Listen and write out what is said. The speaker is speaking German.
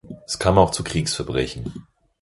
Es kam auch zu Kriegsverbrechen.